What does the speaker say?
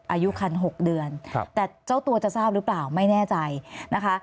อายุคัน๖เดือนแต่เจ้าตัวจะทราบหรือเปล่าไม่แน่ใจนะคะ